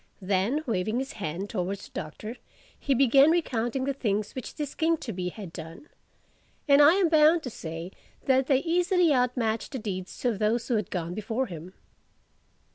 Then waving his hand towards the Doctor he began recounting the things which this king to be had done. And I am bound to say that they easily outmatched the deeds of those who had gone before him.